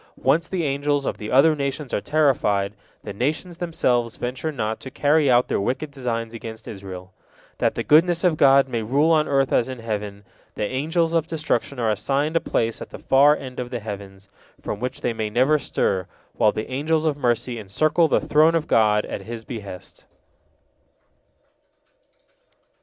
Once the angels of the other nations are terrified, the nations themselves venture not to carry out their wicked designs against Israel. That the goodness of God may rule on earth as in heaven, the Angels of Destruction are assigned a place at the far end of the heavens, from which they may never stir, while the Angels of Mercy encircle the Throne of God, at His behest.